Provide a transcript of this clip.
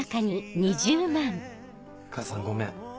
母さんごめん。